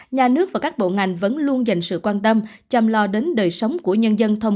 nhà nước và các bộ ngành vẫn luôn dành sự quan tâm chăm lo đến đời sống của nhân dân thông